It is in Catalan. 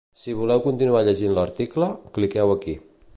Si voleu continuar llegint l’article, cliqueu aquí.